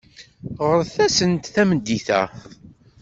Ɣret-asent tameddit-a.